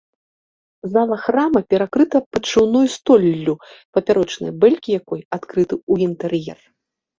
Зала храма перакрыта падшыўной столлю, папярочныя бэлькі якой адкрыты ў інтэр'ер.